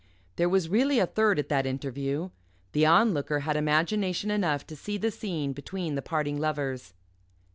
There was really a third at that interview. The Onlooker had imagination enough to see the scene between the parting lovers.